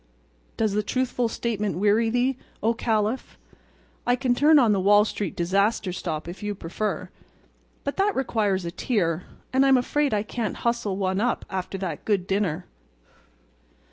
Does the truthful statement weary thee, O Caliph? I can turn on the Wall Street disaster stop if you prefer, but that requires a tear, and I'm afraid I can't hustle one up after that good dinner."